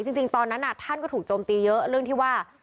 จริงตอนนั้นท่านก็ถูกโจมตีเยอะเรื่องที่ว่า